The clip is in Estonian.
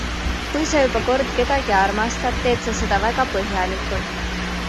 Kui sa juba kord kedagi armastad, teed sa seda väga põhjalikult.